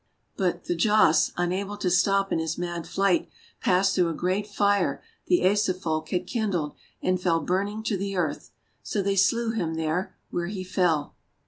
But Thjasse, unable to stop in his mad flight, passed through a great fire the Asa Folk had kindled, and fell burning to the earth. So they slew him there, where he fell.